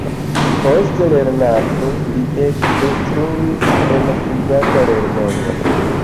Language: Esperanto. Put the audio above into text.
Post lernado li ekinstruis en privata lernejo.